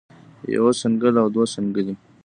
يوه څنګل او دوه څنګلې